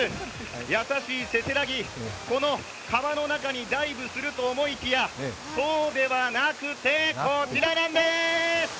優しいせせらぎ、この川の中にダイブすると思いきや、そうではなくてこちらなんでーす！